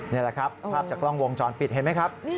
นี่แหละครับภาพจากกล้องวงจรปิดเห็นไหมครับ